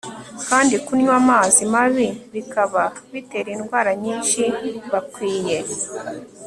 kandi kunywa amazi mabi bikaba bitera indwara nyinshi Bakwiye